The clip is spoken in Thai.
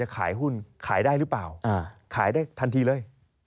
ขายได้ทันทีเลย